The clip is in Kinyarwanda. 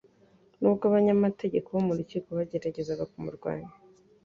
Nubwo abanyamategeko bo mu rukiko bageragezaga kumurwanya,